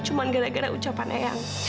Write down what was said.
cuma gara gara ucapannya yang